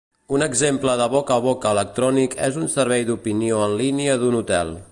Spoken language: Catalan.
Un exemple de boca a boca electrònic és un servei d'opinió en línia d'un hotel.